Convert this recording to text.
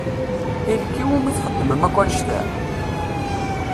I nekk i wumi txedmem akk annect-a?